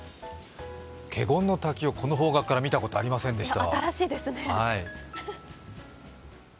華厳の滝をこの方角から見たことがありませんでした。